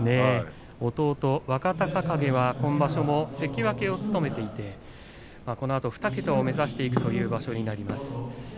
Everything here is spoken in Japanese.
弟、若隆景は今場所も関脇を務めていてこのあと２桁を目指していくという場所になります。